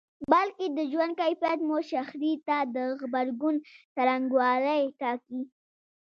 بلکې د ژوند کيفیت مو شخړې ته د غبرګون څرنګوالی ټاکي.